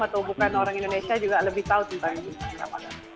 atau bukan orang indonesia juga lebih tahu tentang itu